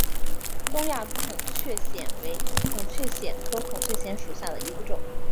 东亚孔雀藓为孔雀藓科孔雀藓属下的一个种。